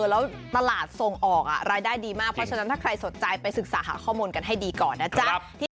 แล้วตลาดส่งออกรายได้ดีมากเพราะฉะนั้นถ้าใครสนใจไปศึกษาหาข้อมูลกันให้ดีก่อนนะจ๊ะ